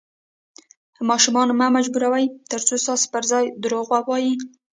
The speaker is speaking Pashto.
ماشوم مه مجبوروئ، ترڅو ستاسو پر ځای درواغ ووایي.